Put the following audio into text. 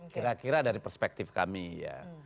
kira kira dari perspektif kami ya